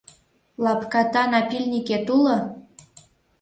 Лапката напильникет уло?